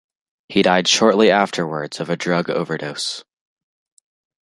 He died shortly afterwards of a drug overdose.